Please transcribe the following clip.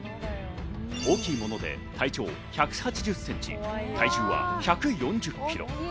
大きいもので体長１８０センチ、体重は１４０キロ。